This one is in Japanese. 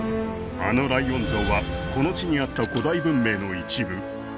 あのライオン像はこの地にあった古代文明の一部？